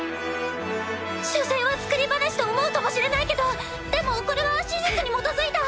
しょせんは作り話と思うかもしれないけどでもこれは史実に基づいた。